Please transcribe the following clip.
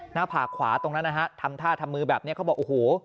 หน้าผากขวาตรงนั้นนะฮะทำท่าทำมือแบบนี้เขาบอกโอ้โห